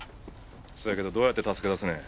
そやけどどうやって助け出すねん。